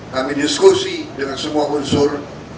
kami diskusi dengan semua unsur